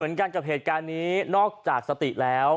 เหมือนกันกับเหตุการณ์นี้นอกจากสติแล้ว